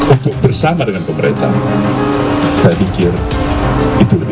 untuk bersama dengan pemerintah saya pikir itu lebih